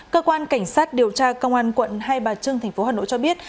cơ quan cảnh sát điều tra công an quận hai bà trưng tp hà nội cho biết